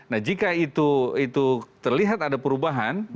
nah jika itu terlihat ada perubahan